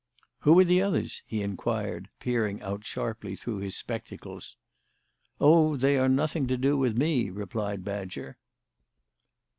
"Who are the others?" he inquired, peering out sharply through his spectacles. "O, they are nothing to do with me," replied Badger.